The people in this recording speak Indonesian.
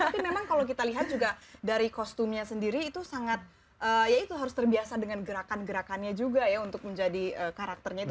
tapi memang kalau kita lihat juga dari kostumnya sendiri itu sangat ya itu harus terbiasa dengan gerakan gerakannya juga ya untuk menjadi karakternya itu